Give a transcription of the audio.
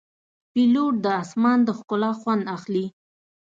پیلوټ د آسمان د ښکلا خوند اخلي.